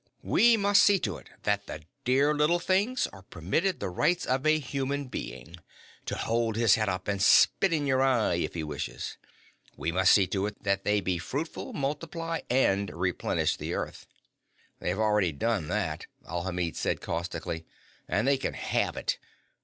We must see to it that the dear little things are permitted the rights of a human being to hold his head up and spit in your eye if he wishes. We must see to it that they be fruitful, multiply, and replenish the Earth." "They've already done that," Alhamid said caustically. "And they can have it.